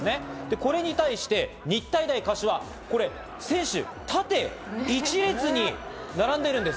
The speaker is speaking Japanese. これに対して日体大柏、なんと選手が縦一列に並んでいるんです。